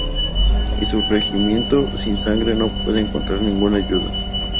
Y en su regimiento sin sangre no puede encontrar ninguna ayuda.